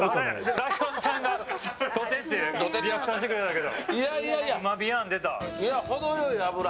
ライオンちゃんがリアクションしてくれたけど。